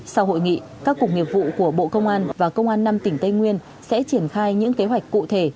sau hội nghị các cục nghiệp vụ của bộ công an và công an năm tỉnh tây nguyên sẽ triển khai những kế hoạch cụ thể